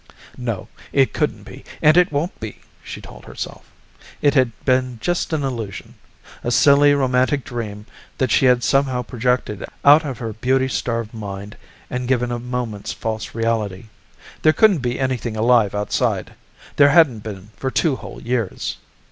No, it couldn't be, and it won't be, she told herself. It had been just an illusion, a silly romantic dream that she had somehow projected out of her beauty starved mind and given a moment's false reality. There couldn't be anything alive outside. There hadn't been for two whole years.